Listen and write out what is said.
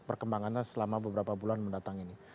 perkembangannya selama beberapa bulan mendatang ini